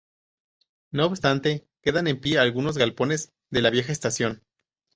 No obstante, quedan en pie algunos galpones de la vieja estación.